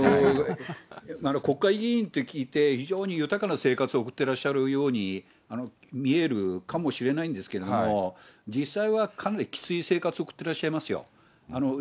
国会議員と聞いて、非常に豊かな生活を送ってらっしゃるように見えるかもしれないんですけれども、実際はかなりきつい生活を送ってらっしゃいますよ。